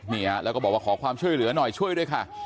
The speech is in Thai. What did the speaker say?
นี่ฮะแล้วก็บอกว่าขอความช่วยเหลือหน่อยช่วยด้วยค่ะ